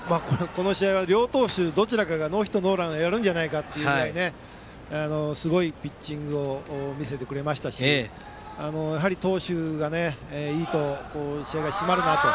この試合は両投手どちらかがノーヒットノーランをやるんじゃないかぐらいのすごいピッチングを見せてくれましたしやはり、投手がいいと試合が締まるなと。